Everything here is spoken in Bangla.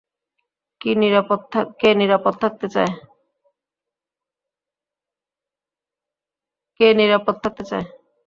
কে নিরাপদ থাকতে চায়?